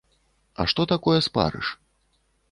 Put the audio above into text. А што такое спарыш?